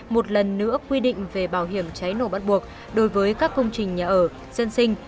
một lần nữa quy định về bảo hiểm cháy nổ bắt buộc đối với các công trình nhà ở dân sinh